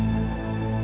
ya pak adrian